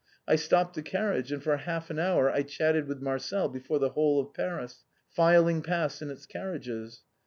I stopped the carriage, and for half an hour I chatted with Marcel before the whole of Paris, filing past in its carriages.